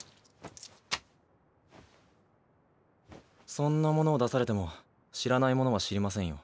そんなものを出されても知らないものは知りませんよ。